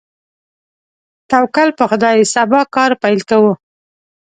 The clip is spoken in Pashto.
توکل په خدای، سبا کار پیل کوو.